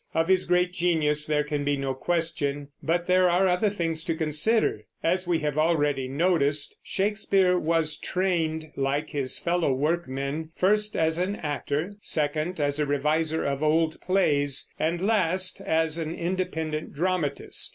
Of his great genius there can be no question; but there are other things to consider. As we have already noticed, Shakespeare was trained, like his fellow workmen, first as an actor, second as a reviser of old plays, and last as an independent dramatist.